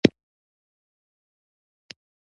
مينه څلور ورځې په روغتون کې بستر وه